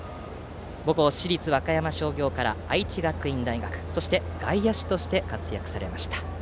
母校・市立和歌山商業から愛知学院大学外野手として活躍されました。